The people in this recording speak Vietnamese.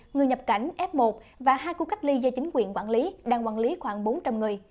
người nhập cảnh f một và hai khu cách ly do chính quyền quản lý đang quản lý khoảng bốn trăm linh người